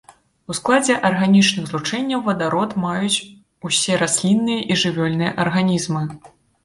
У складзе арганічных злучэнняў вадарод маюць усе раслінныя і жывёльныя арганізмы.